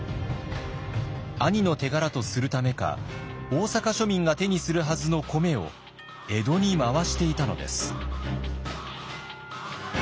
兄の手柄とするためか大坂庶民が手にするはずの米を江戸に回していたのです。